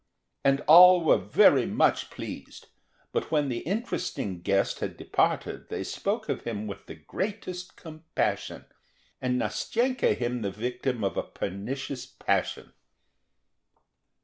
And all were very much pleased; but when the interesting guest had departed they spoke of him with the greatest compassion, and Nastenka him the victim of a pernicious passion.